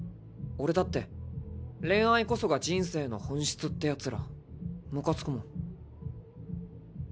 俺だって恋愛こそが人生の本質ってやつらムカつくもん。